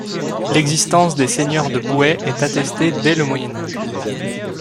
L'existence des seigneurs de Boueix est attestée dès le Moyen Âge.